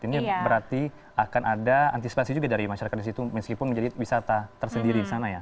ini berarti akan ada antisipasi juga dari masyarakat di situ meskipun menjadi wisata tersendiri di sana ya